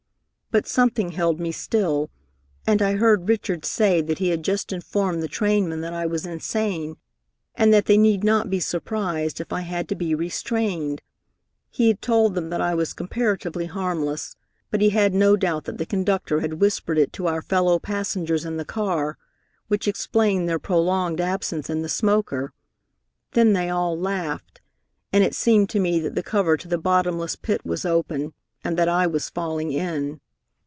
But something held me still, and I heard Richard say that he had just informed the trainmen that I was insane, and that they need not be surprised if I had to be restrained. He had told them that I was comparatively harmless, but he had no doubt that the conductor had whispered it to our fellow passengers in the car, which explained their prolonged absence in the smoker. Then they all laughed, and it seemed to me that the cover to the bottomless pit was open and that I was falling in.